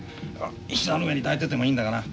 膝の上に抱いててもいいんだがな